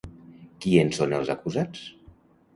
Qui en són els acusats?